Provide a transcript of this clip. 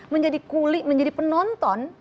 menjadi kulit menjadi penonton